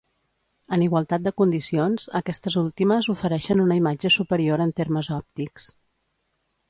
En igualtat de condicions, aquestes últimes ofereixen una imatge superior en termes òptics.